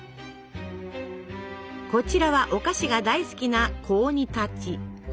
こちらはお菓子が大好きな小鬼たち。